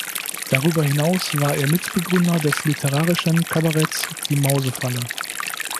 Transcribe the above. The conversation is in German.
Darüber hinaus war er Mitbegründer des literarischen Kabaretts "Die Mausefalle".